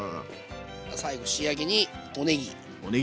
最後仕上げにおねぎ。